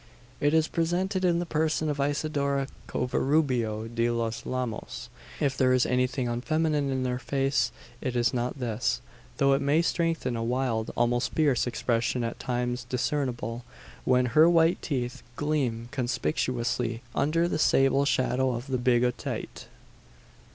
It is presented in the person of Isidora Covarubio de los Llanos. If there is anything unfeminine in her face, it is not this; though it may strengthen a wild, almost fierce, expression, at times discernible, when her white teeth gleam conspicuously under the sable shadow of the "bigotite."